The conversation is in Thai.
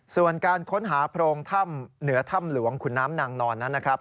ส่วนการค้นหาโพรงถ้ำเหนือถ้ำหลวงขุนน้ำนางนอนนั้นนะครับ